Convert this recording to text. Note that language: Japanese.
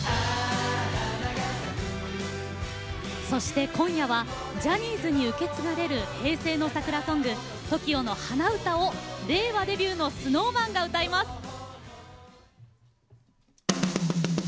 そして今夜はジャニーズに受け継がれる平成の桜ソングＴＯＫＩＯの「花唄」を令和デビューのＳｎｏｗＭａｎが歌います。